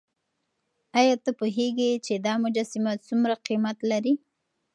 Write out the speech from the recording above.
ایا ته پوهېږې چې دا مجسمه څومره قیمت لري؟